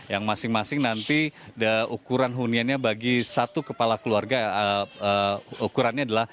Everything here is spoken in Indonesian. yang masing masing nanti ukuran huniannya bagi satu kepala keluarga ukurannya adalah